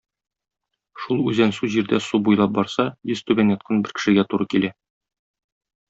Шул үзәнсу җирдә су буйлап барса, йөзтүбән яткан бер кешегә туры килә.